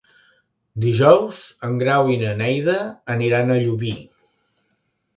Dijous en Grau i na Neida aniran a Llubí.